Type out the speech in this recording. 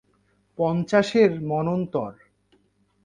পঞ্চাশের মন্বন্তর।